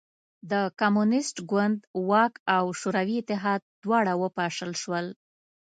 د کمونېست ګوند واک او شوروي اتحاد دواړه وپاشل شول